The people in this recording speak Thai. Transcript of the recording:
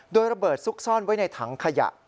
โดยระเบิดซุกซ่อนไว้ในถังขยะ